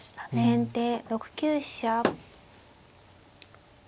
先手６九飛車。